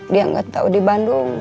dia gak tau di bandung